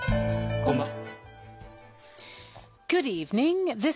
こんばんは。